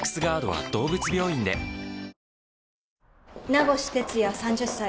名越哲弥３０歳。